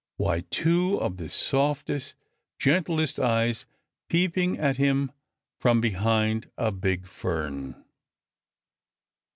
Why, two of the softest, gentlest eyes peeping at him from behind a big fern.